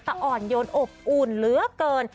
แต่อ่อนโยนอบอุ่นเหลือเกิน